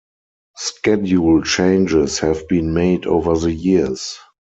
Schedule changes have been made over the years.